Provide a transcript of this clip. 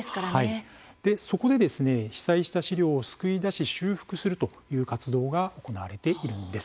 そこで被災した資料を救い出し修復するという活動が行われているんです。